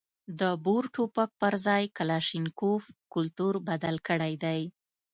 د بور ټوپک پر ځای کلاشینکوف کلتور بدل کړی دی.